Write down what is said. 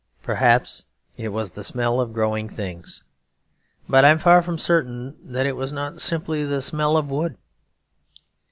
Perhaps it was the smell of growing things; but I am far from certain that it was not simply the smell of wood.